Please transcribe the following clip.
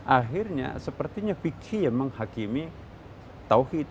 akhirnya sepertinya fikih yang menghakimi tawhid